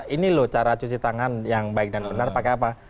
ini loh cara cuci tangan yang baik dan benar pakai apa